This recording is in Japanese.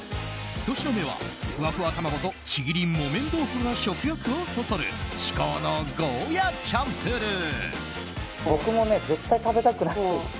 １品目は、ふわふわ卵とちぎり木綿豆腐が食欲をそそる至高のゴーヤチャンプルー。